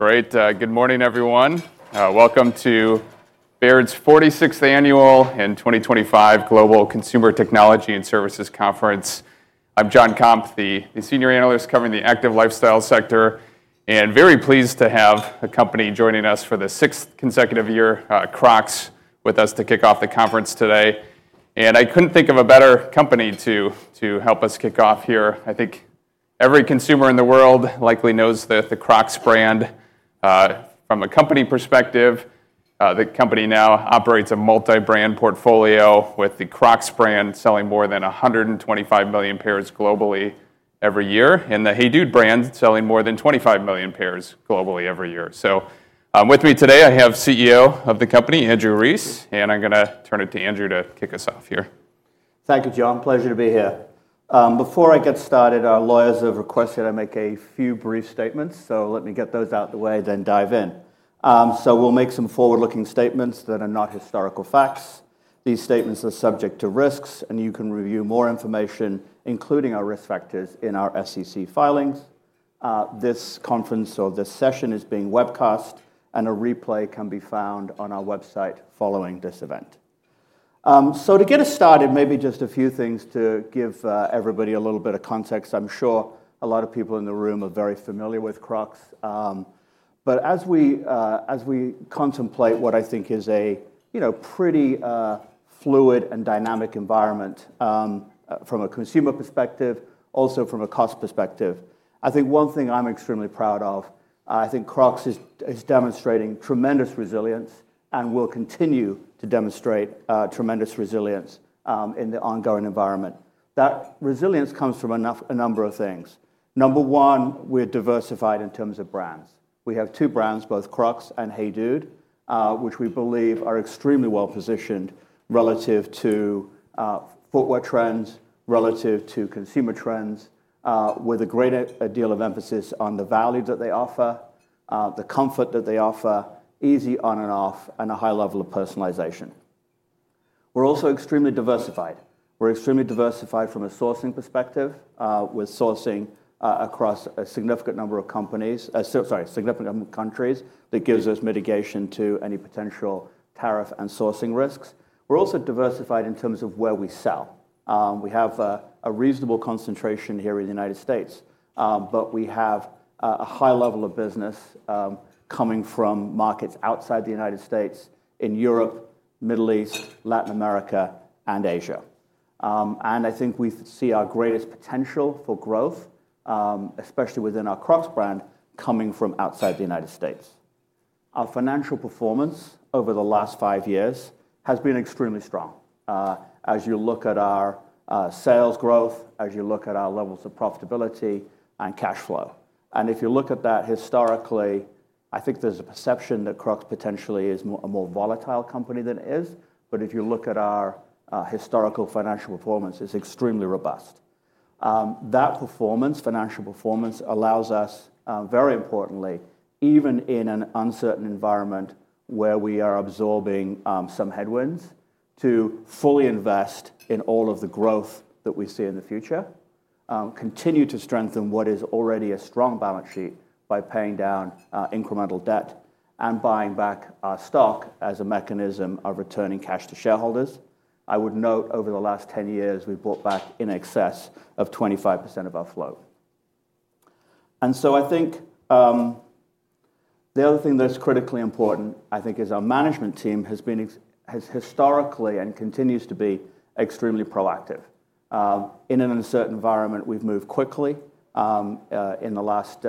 Great. Good morning, everyone. Welcome to Baird's 46th Annual and 2025 Global Consumer Technology and Services Conference. I'm John Comp, the senior analyst covering the active lifestyle sector, and very pleased to have a company joining us for the sixth consecutive year, Crocs, with us to kick off the conference today. I couldn't think of a better company to help us kick off here. I think every consumer in the world likely knows the Crocs brand. From a company perspective, the company now operates a multi-brand portfolio, with the Crocs brand selling more than 125 million pairs globally every year, and the HEYDUDE brand selling more than 25 million pairs globally every year. With me today, I have CEO of the company, Andrew Rees, and I'm going to turn it to Andrew to kick us off here. Thank you, John. Pleasure to be here. Before I get started, our lawyers have requested I make a few brief statements, so let me get those out of the way, then dive in. We'll make some forward-looking statements that are not historical facts. These statements are subject to risks, and you can review more information, including our risk factors in our SEC filings. This conference, or this session, is being webcast, and a replay can be found on our website following this event. To get us started, maybe just a few things to give everybody a little bit of context. I'm sure a lot of people in the room are very familiar with Crocs. As we contemplate what I think is a pretty fluid and dynamic environment from a consumer perspective, also from a cost perspective, I think one thing I'm extremely proud of, I think Crocs is demonstrating tremendous resilience and will continue to demonstrate tremendous resilience in the ongoing environment. That resilience comes from a number of things. Number one, we're diversified in terms of brands. We have two brands, both Crocs and HEYDUDE, which we believe are extremely well positioned relative to footwear trends, relative to consumer trends, with a great deal of emphasis on the value that they offer, the comfort that they offer, easy on and off, and a high level of personalization. We're also extremely diversified. We're extremely diversified from a sourcing perspective, with sourcing across a significant number of companies, sorry, significant number of countries, that gives us mitigation to any potential tariff and sourcing risks. We're also diversified in terms of where we sell. We have a reasonable concentration here in the U.S., but we have a high level of business coming from markets outside the U.S., in Europe, the Middle East, Latin America, and Asia. I think we see our greatest potential for growth, especially within our Crocs brand, coming from outside the U.S. Our financial performance over the last five years has been extremely strong, as you look at our sales growth, as you look at our levels of profitability and cash flow. If you look at that historically, I think there's a perception that Crocs potentially is a more volatile company than it is. If you look at our historical financial performance, it's extremely robust. That performance, financial performance, allows us, very importantly, even in an uncertain environment where we are absorbing some headwinds, to fully invest in all of the growth that we see in the future, continue to strengthen what is already a strong balance sheet by paying down incremental debt and buying back our stock as a mechanism of returning cash to shareholders. I would note over the last 10 years, we bought back in excess of 25% of our flow. I think the other thing that's critically important, I think, is our management team has historically and continues to be extremely proactive. In an uncertain environment, we've moved quickly in the last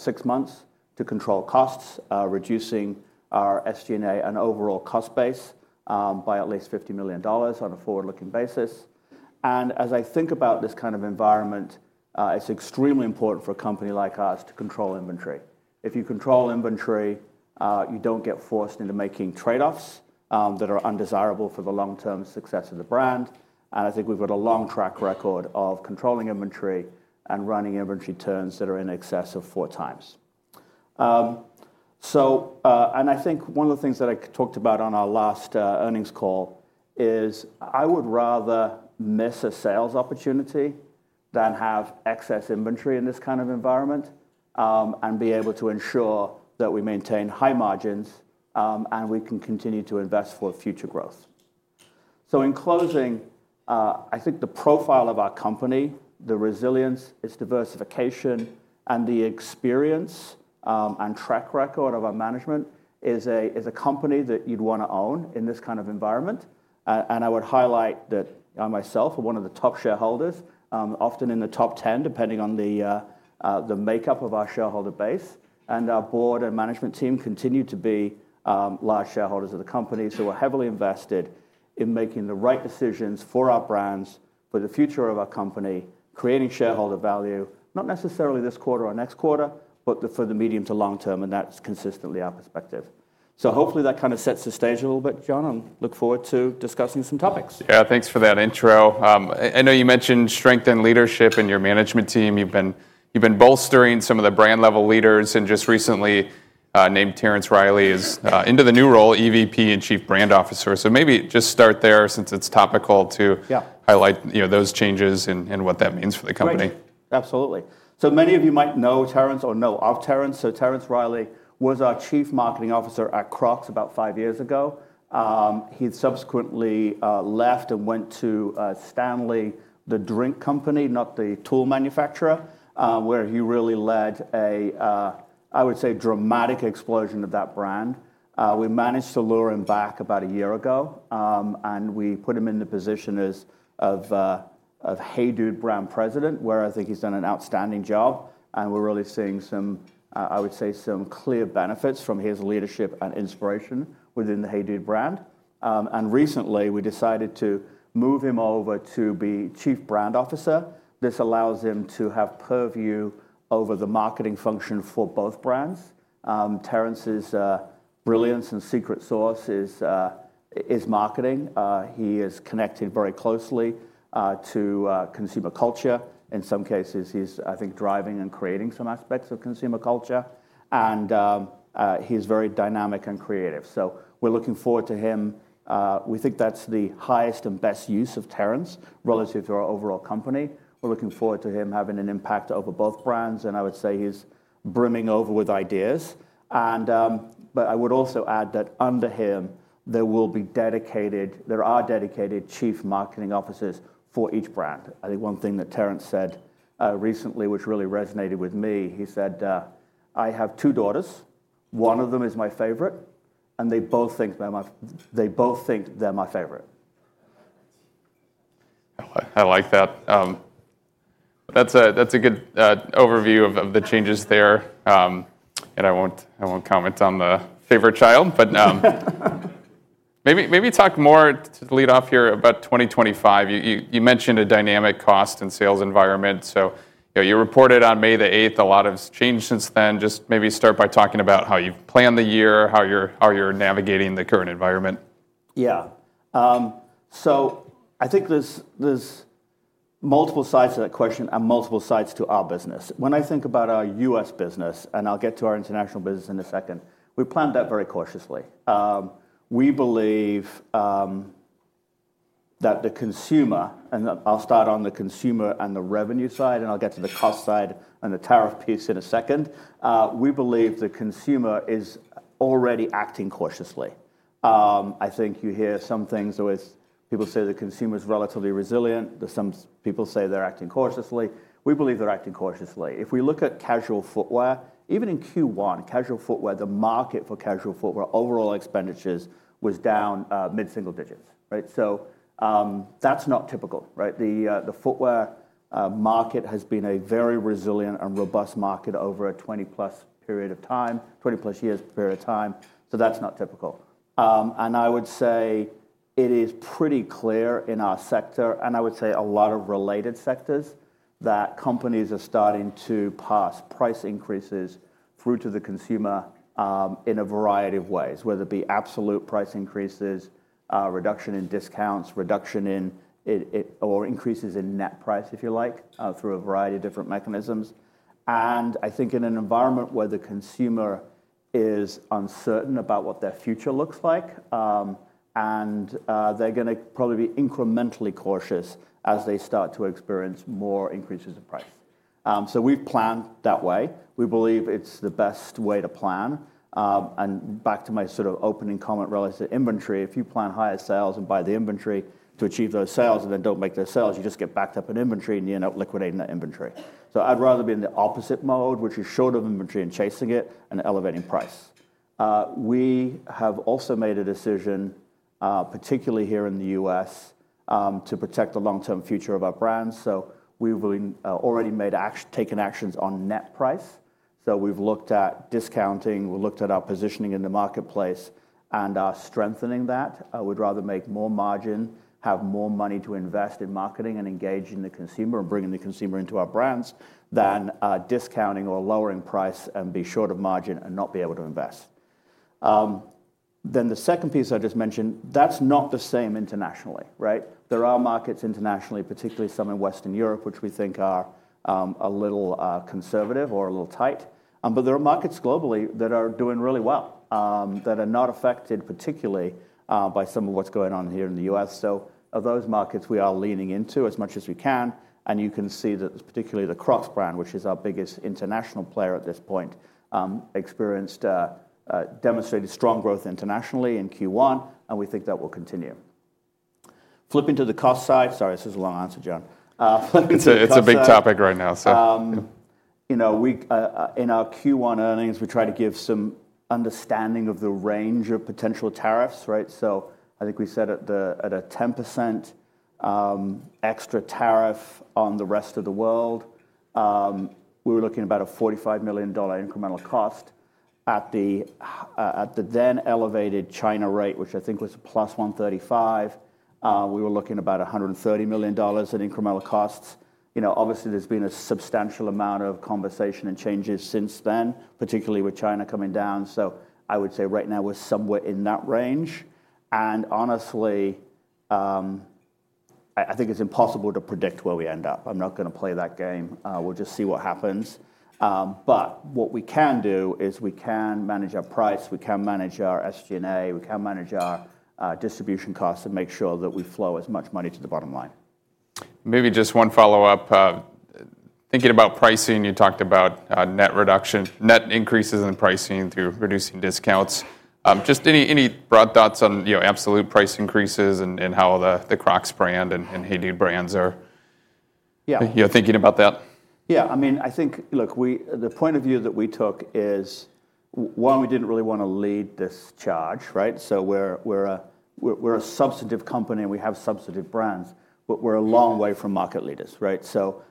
six months to control costs, reducing our SG&A and overall cost base by at least $50 million on a forward-looking basis. As I think about this kind of environment, it's extremely important for a company like ours to control inventory. If you control inventory, you don't get forced into making trade-offs that are undesirable for the long-term success of the brand. I think we've got a long track record of controlling inventory and running inventory turns that are in excess of four times. I think one of the things that I talked about on our last earnings call is I would rather miss a sales opportunity than have excess inventory in this kind of environment and be able to ensure that we maintain high margins and we can continue to invest for future growth. In closing, I think the profile of our company, the resilience, its diversification, and the experience and track record of our management is a company that you'd want to own in this kind of environment. I would highlight that I myself am one of the top shareholders, often in the top 10, depending on the makeup of our shareholder base. Our board and management team continue to be large shareholders of the company. We're heavily invested in making the right decisions for our brands, for the future of our company, creating shareholder value, not necessarily this quarter or next quarter, but for the medium to long term. That's consistently our perspective. Hopefully that kind of sets the stage a little bit, John. I look forward to discussing some topics. Yeah, thanks for that intro. I know you mentioned strength and leadership in your management team. You've been bolstering some of the brand level leaders and just recently named Terrence Riley into the new role, EVP and Chief Brand Officer. Maybe just start there, since it's topical, to highlight those changes and what that means for the company. Absolutely. Many of you might know Terrence or know of Terrence. Terrence Riley was our Chief Marketing Officer at Crocs about five years ago. He subsequently left and went to Stanley, the drink company, not the tool manufacturer, where he really led a, I would say, dramatic explosion of that brand. We managed to lure him back about a year ago, and we put him in the position of HEYDUDE brand president, where I think he's done an outstanding job. We are really seeing some, I would say, some clear benefits from his leadership and inspiration within the HEYDUDE brand. Recently, we decided to move him over to be Chief Brand Officer. This allows him to have purview over the marketing function for both brands. Terrence's brilliance and secret sauce is marketing. He is connected very closely to consumer culture. In some cases, he's, I think, driving and creating some aspects of consumer culture. He's very dynamic and creative. We are looking forward to him. We think that's the highest and best use of Terrence relative to our overall company. We are looking forward to him having an impact over both brands. I would say he's brimming over with ideas. I would also add that under him, there will be dedicated, there are dedicated Chief Marketing Officers for each brand. I think one thing that Terrence said recently, which really resonated with me, he said, "I have two daughters. One of them is my favorite, and they both think they're my favorite. I like that. That's a good overview of the changes there. I won't comment on the favorite child. Maybe talk more to lead off here about 2025. You mentioned a dynamic cost and sales environment. You reported on May the 8th. A lot has changed since then. Just maybe start by talking about how you plan the year, how you're navigating the current environment. Yeah. I think there are multiple sides to that question and multiple sides to our business. When I think about our US business, and I'll get to our international business in a second, we planned that very cautiously. We believe that the consumer, and I'll start on the consumer and the revenue side, and I'll get to the cost side and the tariff piece in a second. We believe the consumer is already acting cautiously. I think you hear some things, always people say the consumer is relatively resilient. Some people say they're acting cautiously. We believe they're acting cautiously. If we look at casual footwear, even in Q1, casual footwear, the market for casual footwear overall expenditures was down mid-single digits. That is not typical. The footwear market has been a very resilient and robust market over a 20-plus years period of time. That is not typical. I would say it is pretty clear in our sector, and I would say a lot of related sectors, that companies are starting to pass price increases through to the consumer in a variety of ways, whether it be absolute price increases, reduction in discounts, reduction in, or increases in net price, if you like, through a variety of different mechanisms. I think in an environment where the consumer is uncertain about what their future looks like, and they are going to probably be incrementally cautious as they start to experience more increases in price. We have planned that way. We believe it is the best way to plan. Back to my sort of opening comment related to inventory, if you plan higher sales and buy the inventory to achieve those sales and then do not make those sales, you just get backed up in inventory and you end up liquidating that inventory. I would rather be in the opposite mode, which is short of inventory and chasing it and elevating price. We have also made a decision, particularly here in the U.S., to protect the long-term future of our brand. We have already taken actions on net price. We have looked at discounting. We have looked at our positioning in the marketplace and strengthening that. We would rather make more margin, have more money to invest in marketing and engage in the consumer and bring in the consumer into our brands than discounting or lowering price and be short of margin and not be able to invest. The second piece I just mentioned, that's not the same internationally. There are markets internationally, particularly some in Western Europe, which we think are a little conservative or a little tight. There are markets globally that are doing really well that are not affected particularly by some of what's going on here in the U.S. Those markets we are leaning into as much as we can. You can see that particularly the Crocs brand, which is our biggest international player at this point, experienced, demonstrated strong growth internationally in Q1, and we think that will continue. Flip into the cost side. Sorry, this is a long answer, John. It's a big topic right now. In our Q1 earnings, we try to give some understanding of the range of potential tariffs. I think we said at a 10% extra tariff on the rest of the world, we were looking at about a $45 million incremental cost. At the then elevated China rate, which I think was plus 135%, we were looking at about $130 million in incremental costs. Obviously, there's been a substantial amount of conversation and changes since then, particularly with China coming down. I would say right now we're somewhere in that range. Honestly, I think it's impossible to predict where we end up. I'm not going to play that game. We'll just see what happens. What we can do is we can manage our price. We can manage our SG&A. We can manage our distribution costs and make sure that we flow as much money to the bottom line. Maybe just one follow-up. Thinking about pricing, you talked about net increases in pricing through reducing discounts. Just any broad thoughts on absolute price increases and how the Crocs brand and HEYDUDE brands are thinking about that? Yeah. I mean, I think, look, the point of view that we took is, one, we did not really want to lead this charge. So we are a substantive company and we have substantive brands, but we are a long way from market leaders.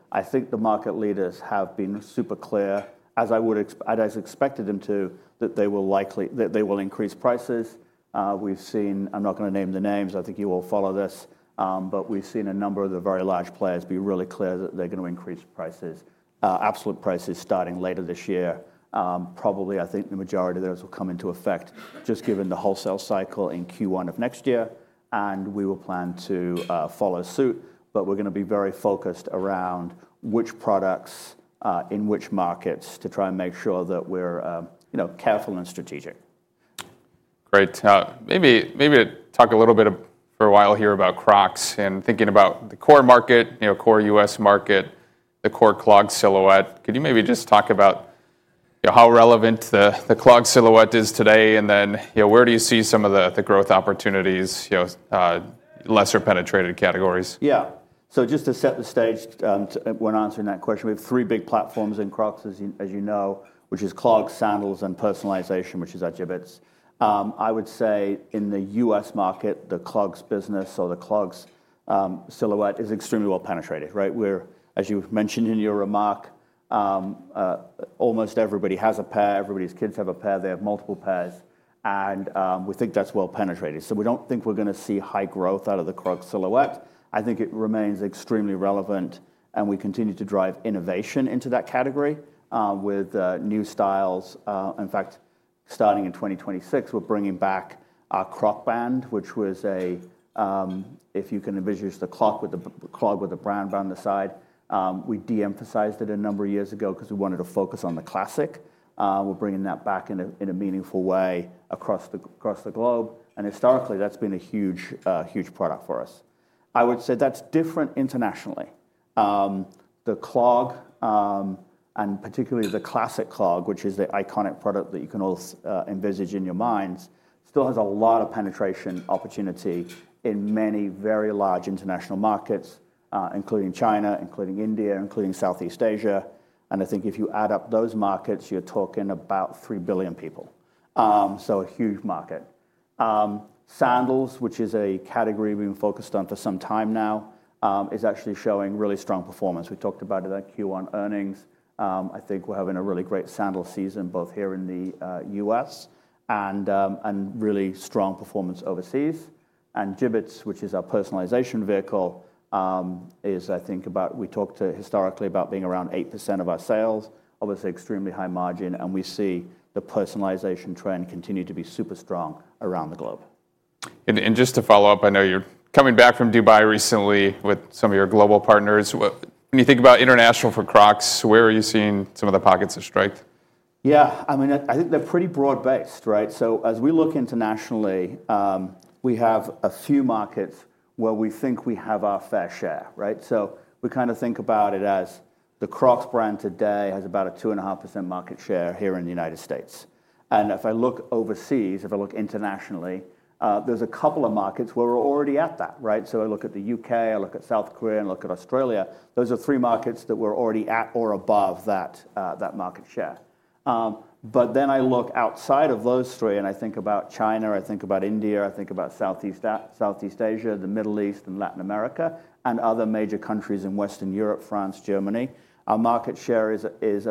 I think the market leaders have been super clear, as I expected them to, that they will increase prices. I am not going to name the names. I think you all follow this. We have seen a number of the very large players be really clear that they are going to increase absolute prices starting later this year. Probably, I think the majority of those will come into effect just given the wholesale cycle in Q1 of next year. We will plan to follow suit. We are going to be very focused around which products in which markets to try and make sure that we are careful and strategic. Great. Maybe talk a little bit for a while here about Crocs and thinking about the core market, core U.S. market, the core clog silhouette. Could you maybe just talk about how relevant the clog silhouette is today? And then where do you see some of the growth opportunities, lesser penetrated categories? Yeah. So just to set the stage when answering that question, we have three big platforms in Crocs, as you know, which is clogs, sandals, and personalization, which is our Jibbitz. I would say in the U.S. market, the clogs business or the clogs silhouette is extremely well penetrated. As you mentioned in your remark, almost everybody has a pair. Everybody's kids have a pair. They have multiple pairs. We think that's well penetrated. We do not think we're going to see high growth out of the Crocs silhouette. I think it remains extremely relevant. We continue to drive innovation into that category with new styles. In fact, starting in 2026, we're bringing back our Croc Band, which was a, if you can envision just the clog with the band around the side. We de-emphasized it a number of years ago because we wanted to focus on the classic. We're bringing that back in a meaningful way across the globe. Historically, that's been a huge product for us. I would say that's different internationally. The clog, and particularly the Classic Clog, which is the iconic product that you can all envisage in your minds, still has a lot of penetration opportunity in many very large international markets, including China, including India, including Southeast Asia. I think if you add up those markets, you're talking about 3 billion people. A huge market. Sandals, which is a category we've been focused on for some time now, is actually showing really strong performance. We talked about it at Q1 earnings. I think we're having a really great sandal season, both here in the U.S. and really strong performance overseas. Jibbitz, which is our personalization vehicle, is, I think, about, we talked historically about being around 8% of our sales, obviously extremely high margin. We see the personalization trend continue to be super strong around the globe. Just to follow up, I know you're coming back from Dubai recently with some of your global partners. When you think about international for Crocs, where are you seeing some of the pockets of strength? Yeah. I mean, I think they're pretty broad-based. As we look internationally, we have a few markets where we think we have our fair share. We kind of think about it as the Crocs brand today has about a 2.5% market share here in the U.S. If I look overseas, if I look internationally, there's a couple of markets where we're already at that. I look at the U.K., I look at South Korea, and I look at Australia. Those are three markets that we're already at or above that market share. I look outside of those three, and I think about China, I think about India, I think about Southeast Asia, the Middle East, and Latin America, and other major countries in Western Europe, France, Germany. Our market share is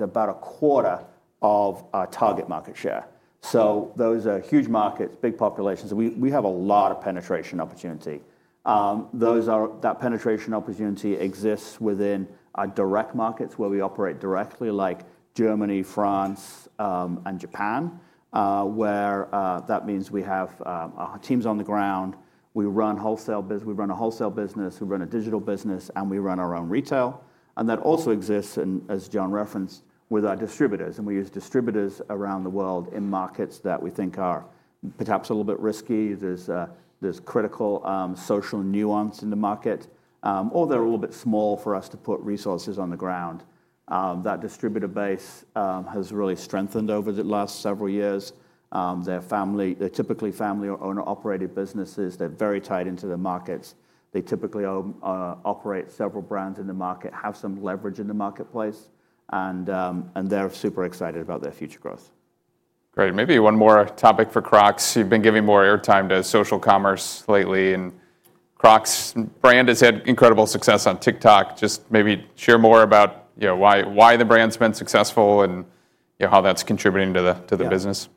about a quarter of our target market share. Those are huge markets, big populations. We have a lot of penetration opportunity. That penetration opportunity exists within our direct markets where we operate directly, like Germany, France, and Japan, where that means we have our teams on the ground. We run a wholesale business. We run a digital business, and we run our own retail. That also exists, as John referenced, with our distributors. We use distributors around the world in markets that we think are perhaps a little bit risky. There is critical social nuance in the market, or they are a little bit small for us to put resources on the ground. That distributor base has really strengthened over the last several years. They are typically family-owner-operated businesses. They are very tied into the markets. They typically operate several brands in the market, have some leverage in the marketplace. They are super excited about their future growth. Great. Maybe one more topic for Crocs. You have been giving more airtime to social commerce lately. Crocs brand has had incredible success on TikTok. Just maybe share more about why the brand's been successful and how that's contributing to the business.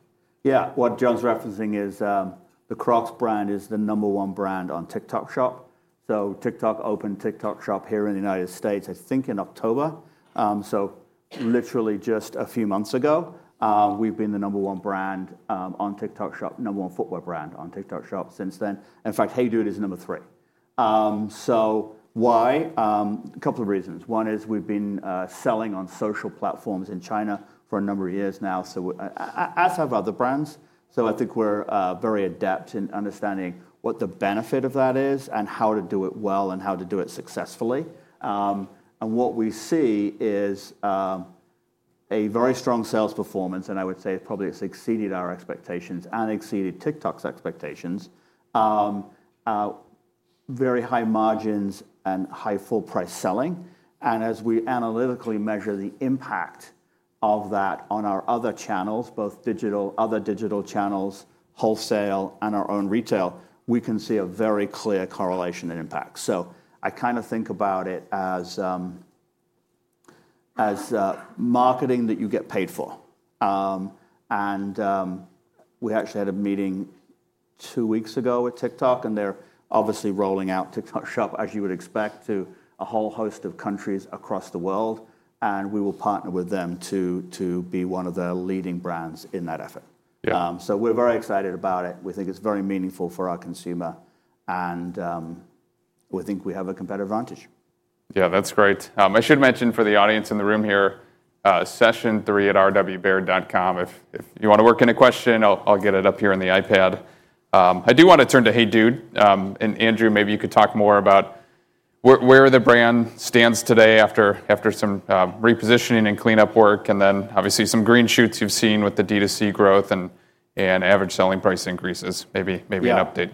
Yeah. What John's referencing is the Crocs brand is the number one brand on TikTok Shop. TikTok opened TikTok Shop here in the United States, I think in October. Literally just a few months ago, we've been the number one brand on TikTok Shop, number one footwear brand on TikTok Shop since then. In fact, HEYDUDE is number three. Why? A couple of reasons. One is we've been selling on social platforms in China for a number of years now, as have other brands. I think we're very adept in understanding what the benefit of that is and how to do it well and how to do it successfully. What we see is a very strong sales performance. I would say it's probably exceeded our expectations and exceeded TikTok's expectations. Very high margins and high full-price selling. As we analytically measure the impact of that on our other channels, both digital, other digital channels, wholesale, and our own retail, we can see a very clear correlation and impact. I kind of think about it as marketing that you get paid for. We actually had a meeting two weeks ago with TikTok. They are obviously rolling out TikTok Shop, as you would expect, to a whole host of countries across the world. We will partner with them to be one of the leading brands in that effort. We are very excited about it. We think it is very meaningful for our consumer. We think we have a competitive advantage. Yeah, that's great. I should mention for the audience in the room here, session3@rwbear.com. If you want to work in a question, I'll get it up here on the iPad. I do want to turn to HEYDUDE. And Andrew, maybe you could talk more about where the brand stands today after some repositioning and cleanup work, and then obviously some green shoots you've seen with the DTC growth and average selling price increases. Maybe an update. Yeah.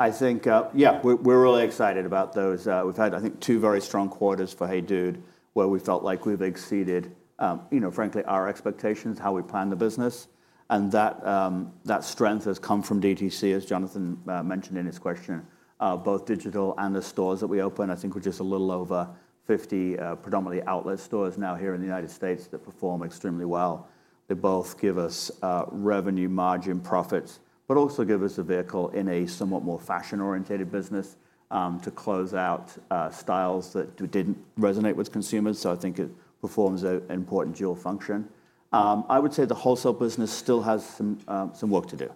I think, yeah, we're really excited about those. We've had, I think, two very strong quarters for HEYDUDE, where we felt like we've exceeded, frankly, our expectations, how we planned the business. That strength has come from DTC, as Jonathan mentioned in his question, both digital and the stores that we open. I think we're just a little over 50 predominantly outlet stores now here in the United States that perform extremely well. They both give us revenue, margin, profits, but also give us a vehicle in a somewhat more fashion-orientated business to close out styles that didn't resonate with consumers. I think it performs an important dual function. I would say the wholesale business still has some work to do.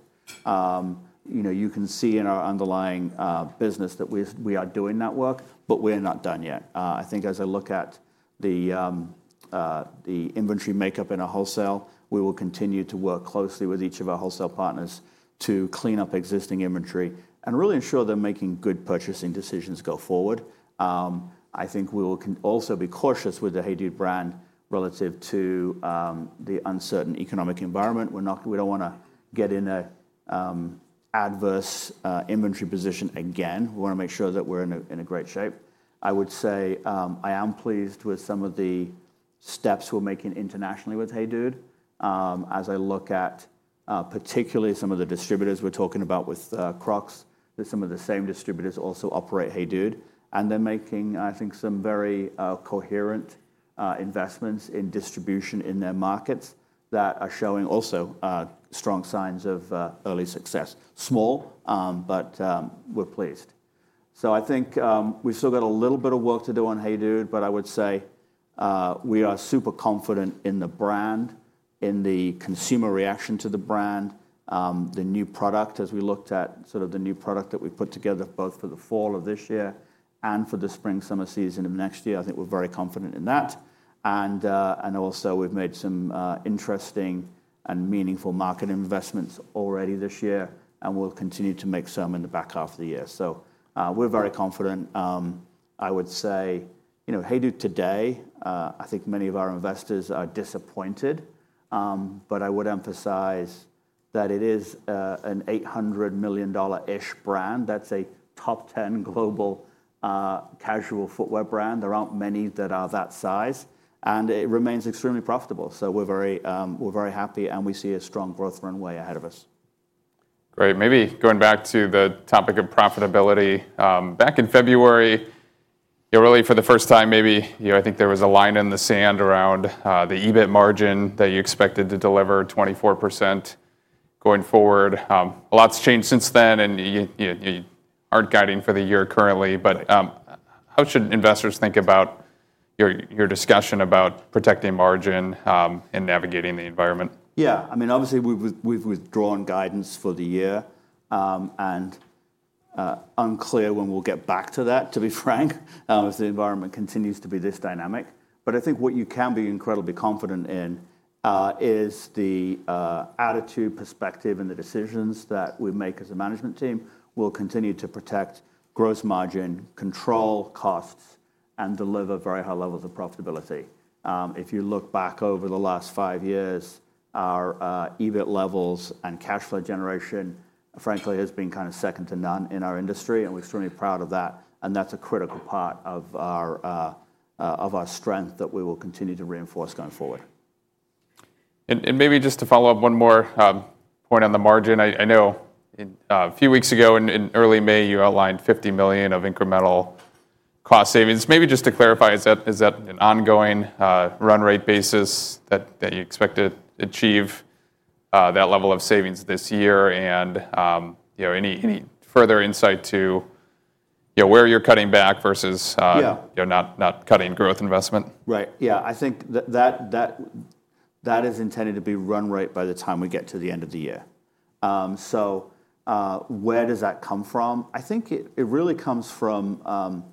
You can see in our underlying business that we are doing that work, but we're not done yet. I think as I look at the inventory makeup in our wholesale, we will continue to work closely with each of our wholesale partners to clean up existing inventory and really ensure they're making good purchasing decisions going forward. I think we will also be cautious with the HEYDUDE brand relative to the uncertain economic environment. We do not want to get in an adverse inventory position again. We want to make sure that we're in great shape. I would say I am pleased with some of the steps we're making internationally with HEYDUDE. As I look at particularly some of the distributors we're talking about with Crocs, some of the same distributors also operate HEYDUDE. They're making, I think, some very coherent investments in distribution in their markets that are showing also strong signs of early success. Small, but we're pleased. I think we've still got a little bit of work to do on HEYDUDE, but I would say we are super confident in the brand, in the consumer reaction to the brand, the new product. As we looked at sort of the new product that we put together both for the fall of this year and for the spring-summer season of next year, I think we're very confident in that. Also, we've made some interesting and meaningful market investments already this year. We'll continue to make some in the back half of the year. We're very confident. I would say HEYDUDE today, I think many of our investors are disappointed. I would emphasize that it is an $800 million-ish brand. That's a top 10 global casual footwear brand. There aren't many that are that size. It remains extremely profitable. We're very happy. We see a strong growth runway ahead of us. Great. Maybe going back to the topic of profitability. Back in February, really for the first time, maybe I think there was a line in the sand around the EBIT margin that you expected to deliver 24% going forward. A lot's changed since then. You aren't guiding for the year currently. How should investors think about your discussion about protecting margin and navigating the environment? Yeah. I mean, obviously, we've withdrawn guidance for the year. Unclear when we'll get back to that, to be frank, if the environment continues to be this dynamic. I think what you can be incredibly confident in is the attitude, perspective, and the decisions that we make as a management team will continue to protect gross margin, control costs, and deliver very high levels of profitability. If you look back over the last five years, our EBIT levels and cash flow generation, frankly, has been kind of second to none in our industry. We're extremely proud of that. That's a critical part of our strength that we will continue to reinforce going forward. Maybe just to follow up one more point on the margin. I know a few weeks ago in early May, you outlined $50 million of incremental cost savings. Maybe just to clarify, is that an ongoing run rate basis that you expect to achieve that level of savings this year? Any further insight to where you're cutting back versus not cutting growth investment? Right. Yeah. I think that is intended to be run rate by the time we get to the end of the year. Where does that come from? I think it really comes from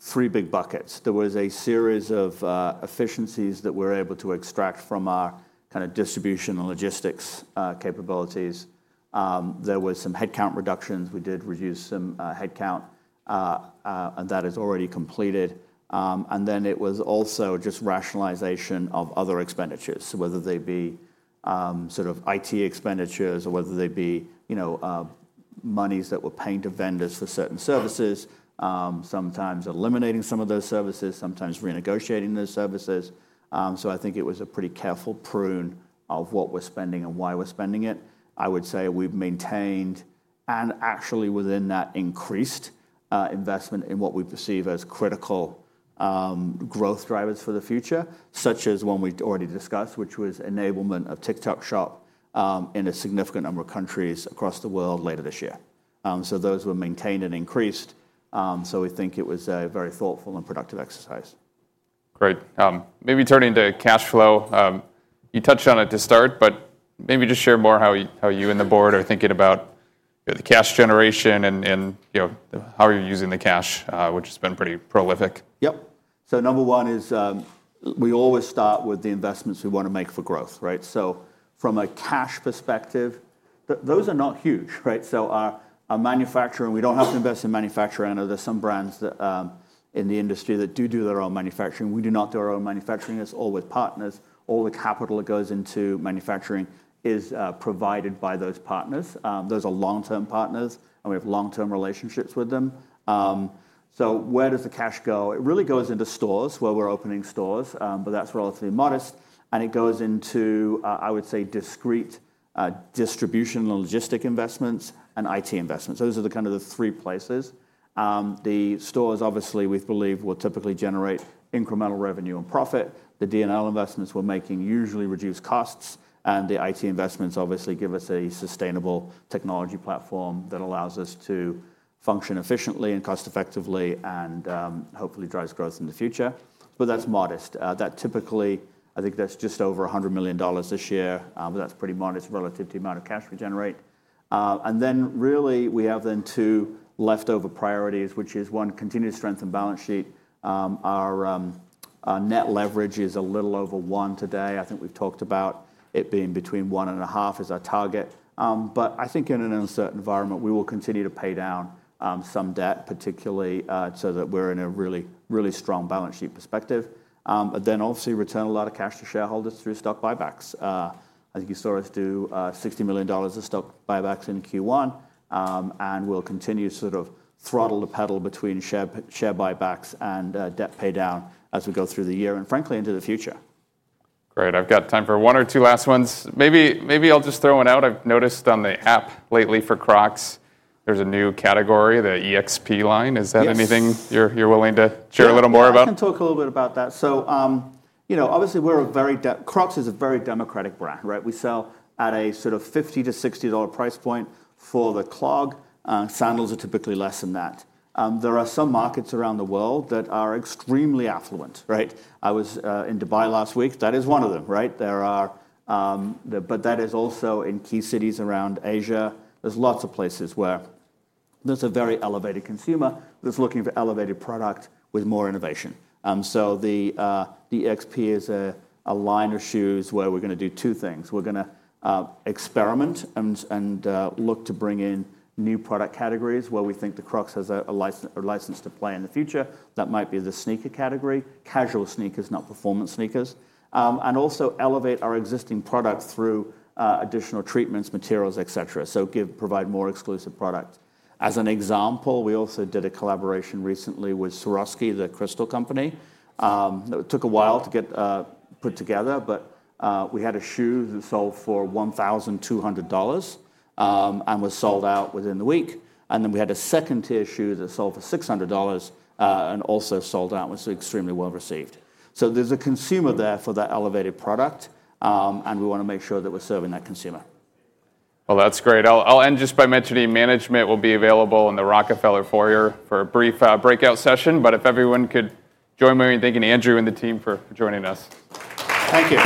three big buckets. There was a series of efficiencies that we're able to extract from our kind of distribution and logistics capabilities. There were some headcount reductions. We did reduce some headcount. That is already completed. It was also just rationalization of other expenditures, whether they be sort of IT expenditures or whether they be monies that were paid to vendors for certain services, sometimes eliminating some of those services, sometimes renegotiating those services. I think it was a pretty careful prune of what we're spending and why we're spending it. I would say we've maintained and actually within that increased investment in what we perceive as critical growth drivers for the future, such as one we already discussed, which was enablement of TikTok Shop in a significant number of countries across the world later this year. Those were maintained and increased. We think it was a very thoughtful and productive exercise. Great. Maybe turning to cash flow. You touched on it to start, but maybe just share more how you and the board are thinking about the cash generation and how you're using the cash, which has been pretty prolific. Yep. Number one is we always start with the investments we want to make for growth. From a cash perspective, those are not huge. Our manufacturing, we do not have to invest in manufacturing. I know there are some brands in the industry that do do their own manufacturing. We do not do our own manufacturing. It is all with partners. All the capital that goes into manufacturing is provided by those partners. Those are long-term partners, and we have long-term relationships with them. Where does the cash go? It really goes into stores where we are opening stores, but that is relatively modest. It goes into, I would say, discrete distribution and logistic investments and IT investments. Those are the three places. The stores, obviously, we believe will typically generate incremental revenue and profit. The D&L investments we are making usually reduce costs. The IT investments obviously give us a sustainable technology platform that allows us to function efficiently and cost-effectively and hopefully drives growth in the future. That is modest. That typically, I think that is just over $100 million this year. That is pretty modest relative to the amount of cash we generate. We have then two leftover priorities, which is one, continue to strengthen balance sheet. Our net leverage is a little over one today. I think we have talked about it being between one and a half as our target. I think in an uncertain environment, we will continue to pay down some debt, particularly so that we are in a really, really strong balance sheet perspective. Obviously, return a lot of cash to shareholders through stock buybacks. I think you saw us do $60 million of stock buybacks in Q1. We'll continue to sort of throttle the pedal between share buybacks and debt pay down as we go through the year and frankly into the future. Great. I've got time for one or two last ones. Maybe I'll just throw one out. I've noticed on the app lately for Crocs, there's a new category, the EXP line. Is that anything you're willing to share a little more about? I can talk a little bit about that. Obviously, Crocs is a very democratic brand. We sell at a sort of $50-$60 price point for the clog. Sandals are typically less than that. There are some markets around the world that are extremely affluent. I was in Dubai last week. That is one of them. That is also in key cities around Asia. There are lots of places where there is a very elevated consumer that is looking for elevated product with more innovation. The EXP is a line of shoes where we are going to do two things. We are going to experiment and look to bring in new product categories where we think Crocs has a license to play in the future. That might be the sneaker category, casual sneakers, not performance sneakers. We also elevate our existing product through additional treatments, materials, et cetera. We provide more exclusive product. For example, we did a collaboration recently with Swarovski, the crystal company. It took a while to get put together. We had a shoe that sold for $1,200 and was sold out within the week. We had a second tier shoe that sold for $600 and also sold out and was extremely well received. There is a consumer there for that elevated product. We want to make sure that we are serving that consumer. That's great. I'll end just by mentioning management will be available in the Rockefeller Foyer for a brief breakout session. If everyone could join me in thanking Andrew and the team for joining us. Thank you.